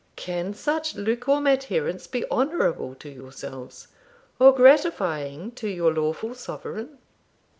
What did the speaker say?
Can such lukewarm adherence be honourable to yourselves, or gratifying to your lawful sovereign?